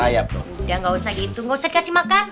ya gak usah gitu gak usah dikasih makan